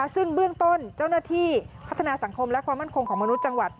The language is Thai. ซึ่งเบื้องต้นเจ้าหน้าที่พัฒนาสังคมและความมั่นคงของมนุษย์จังหวัด